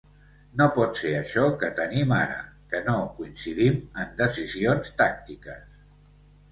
No pot ser això que tenim ara, que no coincidim en decisions tàctiques.